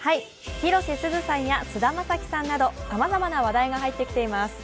広瀬すずさんや菅田将暉さんなどさまざまな話題が入ってきています。